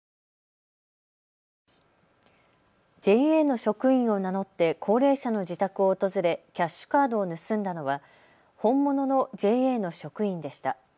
ＪＡの職員を名乗って高齢者の自宅を訪れキャッシュカードを盗んだのは本物のＪＡの職員でした。